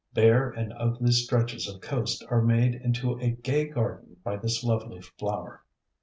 Bare and ugly stretches of coast are made into a gay garden by this lovely flower.